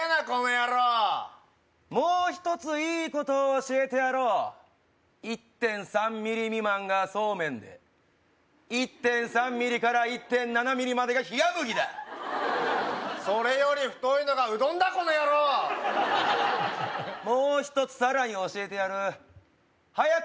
この野郎もう一ついいことを教えてやろう１．３ミリ未満がそうめんで１．３ミリから１．７ミリまでがひやむぎだそれより太いのがうどんだこの野郎もう一つさらに教えてやる早